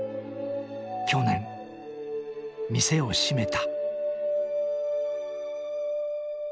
去年店を閉めた。